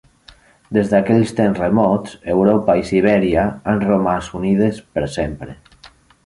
Des d'aquells temps remots, Europa i Sibèria han romàs unides per sempre.